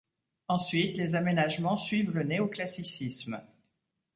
Ensuite, les aménagements suivent le néoclassicisme.